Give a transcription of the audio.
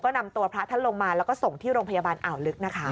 นำตัวพระท่านลงมาแล้วก็ส่งที่โรงพยาบาลอ่าวลึกนะคะ